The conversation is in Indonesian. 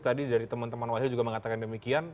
tadi dari teman teman wild king juga mengatakan demikian